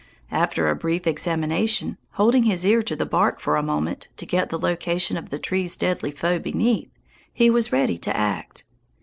After a brief examination, holding his ear to the bark for a moment to get the location of the tree's deadly foe beneath, he was ready to act.